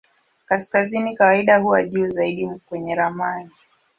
Kaskazini kawaida huwa juu zaidi kwenye ramani.